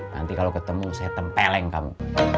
nanti kalau ketemu saya tempeleng kamu